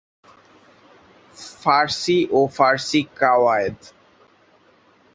ফারসি ও ফারসি কাওয়ায়েদ।